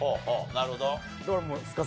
なるほど。